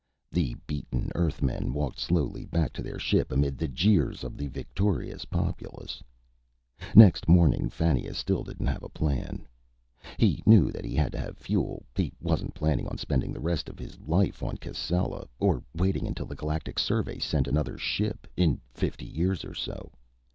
The beaten Earthmen walked slowly back to their ship amid the jeers of the victorious populace. Next morning, Fannia still didn't have a plan. He knew that he had to have fuel; he wasn't planning on spending the rest of his life on Cascella, or waiting until the Galactic Survey sent another ship, in fifty years or so.